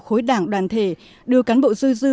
khối đảng đoàn thể đưa cán bộ dư dư